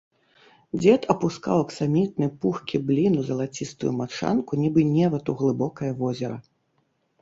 Дзед апускаў аксамітны, пухкі блін у залацістую мачанку, нібы невад у глыбокае возера.